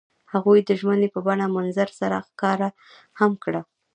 هغوی د ژمنې په بڼه منظر سره ښکاره هم کړه.